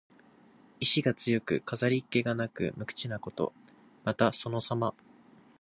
意思が強く、飾り気がなく無口なこと。また、そのさま。